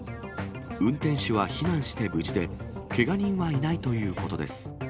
運転手は避難して無事で、けが人はいないということです。